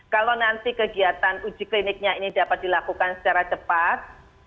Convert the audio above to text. kalau nanti kegiatan uji kliniknya ini dapat dilakukan secara cepat